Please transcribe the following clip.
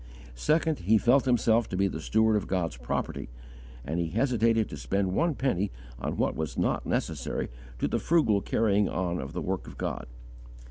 Second, he felt himself to be the steward of God's property, and he hesitated to spend one penny on what was not necessary to the frugal carrying on of the work of God.